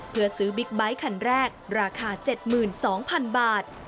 เพื่อซื้อบิ๊กไบท์คันแรกราคา๗๒๐๐๐บาท